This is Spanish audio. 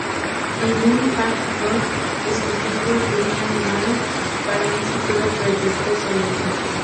Es un hard rock, escrito por Brian May para un futuro proyecto solista.